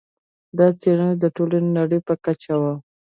دا څېړنه د ټولې نړۍ په کچه وه.